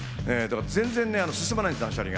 だから全然、断捨離が進まない。